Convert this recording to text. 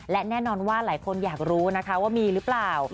และแน่นอนว่าหลายคนอยากรู้นะคะว่ามีหรือเปล่า